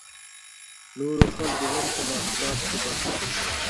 نورو خلکو هم په محصولاتو کې برخه درلوده.